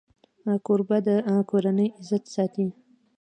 کوربه د کورنۍ عزت ساتي.